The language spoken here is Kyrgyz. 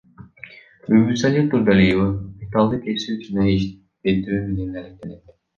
Бүбүсалы Турдалиева металлды кесүү жана иштетүү менен алектенет.